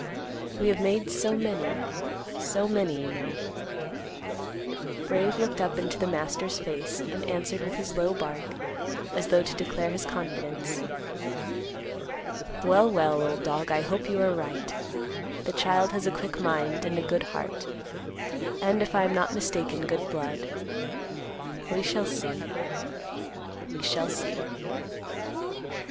We have made so many, so many, you know." Brave looked up into the master's face, and answered with his low bark, as though to declare his confidence. "Well, well, old dog, I hope you are right. The child has a quick mind, and a good heart; and, if I am not mistaken, good blood. We shall see. We shall see."